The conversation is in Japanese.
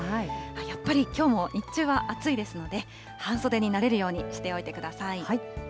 やっぱりきょうも日中は暑いですので、半袖になれるようにしておいてください。